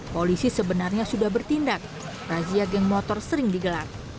polisi sebenarnya sudah bertindak razia geng motor sering digelar